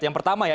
yang pertama ya